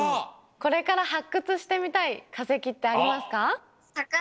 これからはっくつしてみたいかせきってありますか？